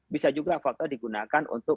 bisa juga fakta digunakan untuk